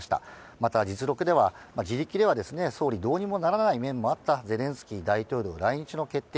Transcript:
また実力では、自力では総理どうにもならない面もあったゼレンスキー大統領来日の決定